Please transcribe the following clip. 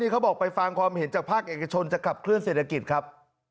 เขาบอกไปฟังความเห็นจากภาคเอกชนจะขับเคลื่อเศรษฐกิจครับ